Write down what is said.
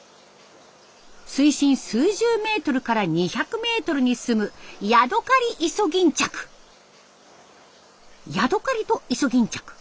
水深数十メートルから２００メートルにすむヤドカリとイソギンチャク。